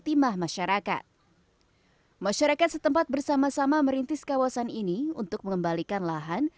timah masyarakat masyarakat setempat bersama sama merintis kawasan ini untuk mengembalikan lahan